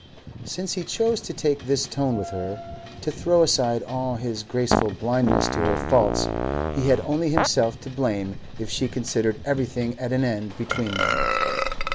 Since he chose to take this tone with her, to throw aside all his graceful blindness to her faults, he had only himself to blame if she considered everything at an end between them.